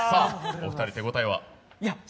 お二人、手応えは？